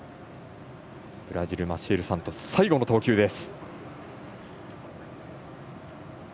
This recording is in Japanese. ブラジル、マシエル・サントス最後の投球です。